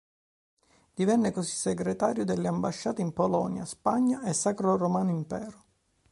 Divenne così segretario delle ambasciate in Polonia, Spagna e Sacro Romano Impero.